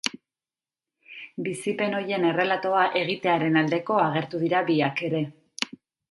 Bizipen horien errelatoa egitearen aldeko agertu dira biak ere.